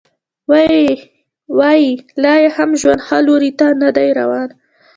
وايي لا یې هم ژوند ښه لوري ته نه دی روان